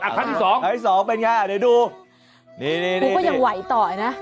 อ่ะครั้งที่สองเป็นยังไงเดี๋ยวดูนี่ครูก็ยังไหวต่อเนี่ยนะ